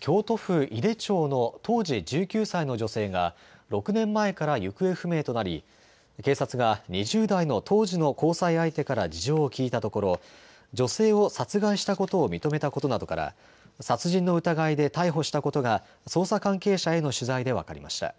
京都府井手町の当時１９歳の女性が６年前から行方不明となり、警察が２０代の当時の交際相手から事情を聴いたところ女性を殺害したことを認めたことなどから殺人の疑いで逮捕したことが捜査関係者への取材で分かりました。